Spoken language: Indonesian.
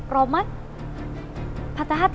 roman patah hati